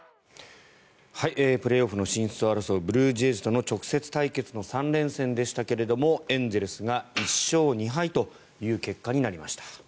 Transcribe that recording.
プレーオフの進出を争うブルージェイズとの直接対決の３連戦でしたがエンゼルスが１勝２敗という結果になりました。